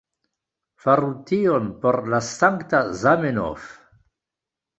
Faru tion por la sankta Zamenhof